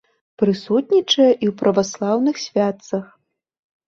Прысутнічае і ў праваслаўных святцах.